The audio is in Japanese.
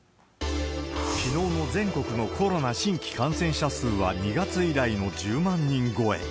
きのうの全国のコロナ新規感染者数は２月以来の１０万人超え。